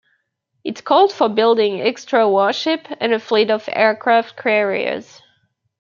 It called for building extra warships and a fleet of aircraft carriers.